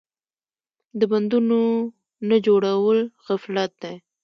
د بندونو نه جوړول غفلت دی.